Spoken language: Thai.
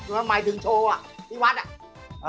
หมายถึงโชว์อ่ะทีวัฒน์อ่ะ